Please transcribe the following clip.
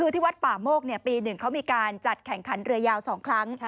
ที่วัดป่าโมกปี๑เขามีการจัดแข่งขันเรือยาว๒ครั้ง